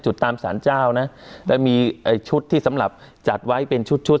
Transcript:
ตามสารเจ้านะแล้วมีไอ้ชุดที่สำหรับจัดไว้เป็นชุดชุด